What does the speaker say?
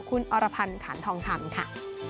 ขอบคุณอรพันธ์ขาดทองทำค่ะ